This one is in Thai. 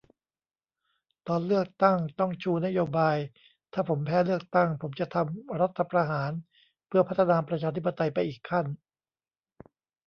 ตอนเลือกตั้งต้องชูนโยบาย ถ้าผมแพ้เลือกตั้ง ผมจะทำรัฐประหารเพื่อพัฒนาประชาธิปไตยไปอีกขั้น